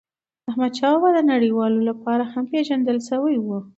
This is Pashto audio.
احمدشاه بابا د نړیوالو لپاره هم پېژندل سوی و.